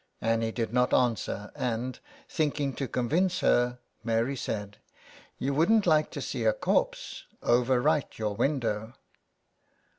Annie did not answer, and, thinking to convince her, Mary said :*' You wouldn't like to see a corpse over right your window."